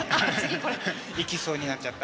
いきそうになっちゃった。